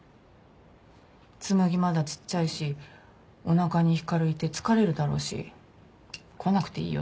紬まだちっちゃいしおなかに光いて疲れるだろうし来なくていいよって。